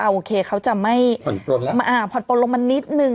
โอเคเขาจะไม่ผ่อนโปรดลงมานิดนึง